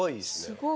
すごい。